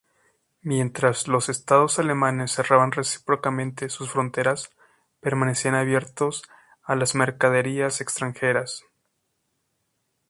Mientras los Estados alemanes cerraban recíprocamente sus fronteras, permanecían abiertos a las mercaderías extranjeras.